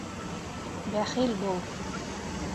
Бәхил бул.